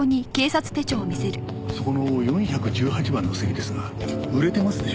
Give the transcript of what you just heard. そこの４１８番の席ですが売れてますでしょうか？